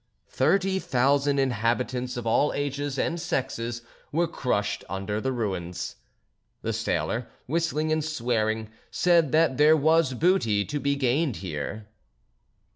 Thirty thousand inhabitants of all ages and sexes were crushed under the ruins. The sailor, whistling and swearing, said there was booty to be gained here.